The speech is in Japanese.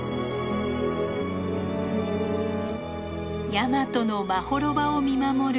大和のまほろばを見守る龍王